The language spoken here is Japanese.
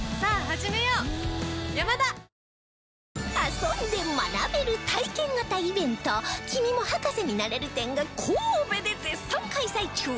遊んで学べる体験型イベント君も博士になれる展が神戸で絶賛開催中！